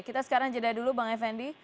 kita sekarang jeda dulu bang effendi